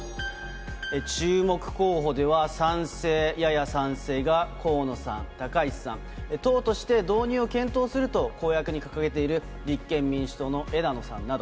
注目候補では、賛成、やや賛成が河野さん、高市さん。党として導入を検討すると、公約に掲げている立憲民主党の枝野さんなど。